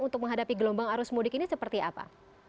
untuk menghadapi gelombang arus mudik ini seperti apa